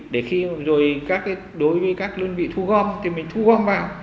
để khi đối với các lươn vị thu gom thì mình thu gom vào